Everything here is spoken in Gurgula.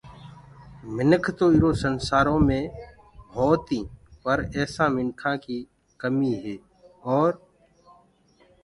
مِنک تو ايرو سنسآرو مي ڀوتيٚنٚ پر ايسآ مِنکآنٚ ڪي ڪميٚ هي اور